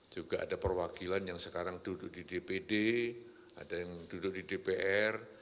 juga ada perwakilan yang sekarang duduk di dpd ada yang duduk di dpr